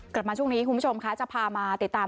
กลับมาช่วงนี้คุณผู้ชมคะจะพามาติดตาม